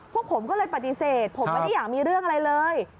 พวกผมก็เลยปฏิเสธผมไม่ได้อยากมีเรื่องอะไรเลย